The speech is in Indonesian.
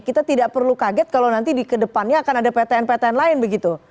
kita tidak perlu kaget kalau nanti di kedepannya akan ada ptn ptn lain begitu